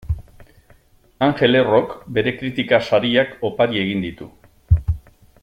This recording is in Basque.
Angel Errok bere kritika sariak opari egin ditu.